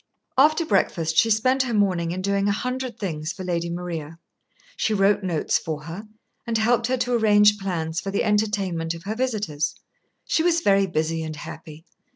After breakfast she spent her morning in doing a hundred things for Lady Maria. She wrote notes for her, and helped her to arrange plans for the entertainment of her visitors. She was very busy and happy.